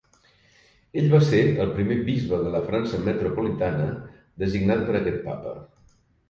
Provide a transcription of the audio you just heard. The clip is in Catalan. Ell va ser el primer bisbe de la França metropolitana designat per aquest Papa.